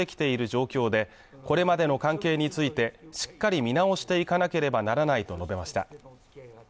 状況でこれまでの関係についてしっかり見直していかなければならないと述べました